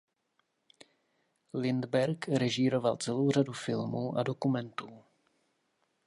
Lindbergh režíroval celou řadu filmů a dokumentů.